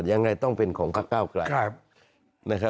ยังไงต้องเป็นของพักเก้าไกล